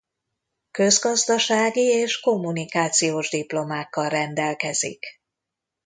Közgazdasági és kommunikációs diplomákkal rendelkezik.